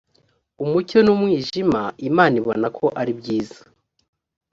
umucyo n umwijima imana ibona ko ari byiza